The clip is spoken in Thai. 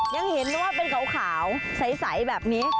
ยังเห็นว่าเป็นขาวใสแบบนี้